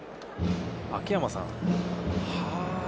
秋山さん。